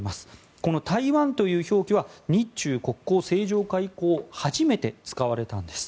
この台湾という表記は日中国交正常化以降初めて使われたんです。